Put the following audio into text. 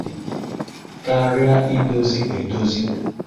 karịa idozi edozi